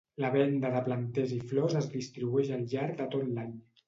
La venda de planters i flors es distribueix al llarg de tot l'any.